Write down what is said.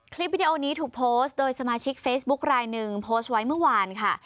วิดีโอนี้ถูกโพสต์โดยสมาชิกเฟซบุ๊คลายหนึ่งโพสต์ไว้เมื่อวานค่ะ